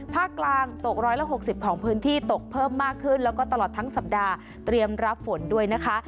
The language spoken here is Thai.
ภาคกลางตก๑๖๐ของพื้นที่ตกเพิ่มมากขึ้นแล้วก็ตลอดทั้งสัปดาห์เตรียมรับฝนด้วยนะคะ